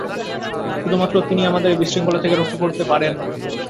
শুধুমাত্র তিনিই আমাদের এই বিশৃঙ্খলা থেকে রক্ষা করতে পারেন!